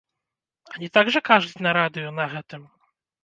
А не так жа кажуць на радыё на гэтым?!